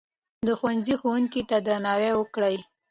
د ښوونځي ښوونکو ته درناوی وکړئ.